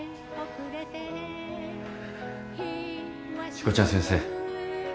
しこちゃん先生。